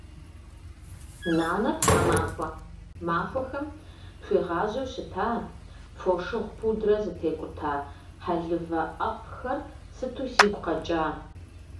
Нанэ тхьэмахуэ махуэхэм тхуигъажьэу щыта, фошыгъу пудрэ зытекӏута, хьэлывэ ӏэфӏхэр сыту сигу къэкӏа.